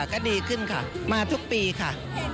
ก็ดีขึ้นค่ะมาทุกปีค่ะ